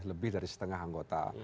lebih dari setengah anggota